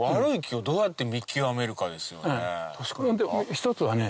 一つはね